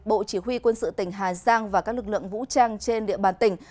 bộ chỉ huy quân sự tỉnh hà giang và các lực lượng vũ trang trên địa bàn tỉnh